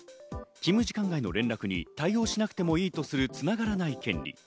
勤務時間外の連絡に対応しなくてもいいとする、つながらない権利。